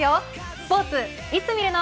スポーツいつ見るの。